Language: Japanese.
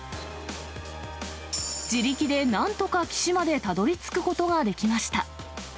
自力でなんとか岸までたどりつくことができました。